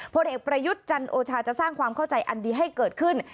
ผลเอกประยุทธ์จันโอชาจะสร้างความเข้าใจอันดีให้เกิดขึ้น